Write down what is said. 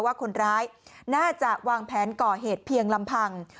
ว่าคนร้ายน่าจะวางแผนก่อเหตุเพียงลำพัง